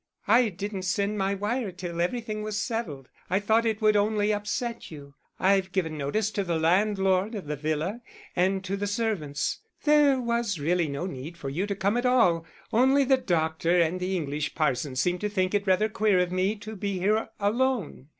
'I didn't send my wire till everything was settled; I thought it would only upset you. I've given notice to the landlord of the villa and to the servants. There was really no need for you to come at all, only the doctor and the English parson seemed to think it rather queer of me to be here alone.